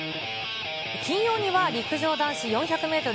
金曜には陸上男子４００メートル